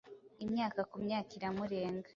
Imyaka kumyaka iramurenga!